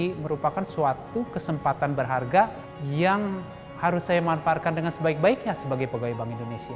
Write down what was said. ini merupakan suatu kesempatan berharga yang harus saya manfaatkan dengan sebaik baiknya sebagai pegawai bank indonesia